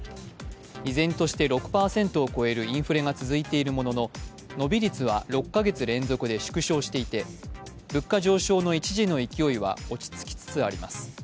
依然として６％を超えるインフレが続いているものの、伸び率は６か月連続で縮小していて物価上昇の一時の勢いは落ち着きつつあります。